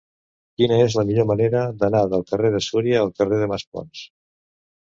Quina és la millor manera d'anar del carrer de Súria al carrer de Maspons?